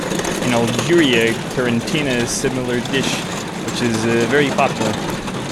In Algeria, karantita is a similar dish which is very popular.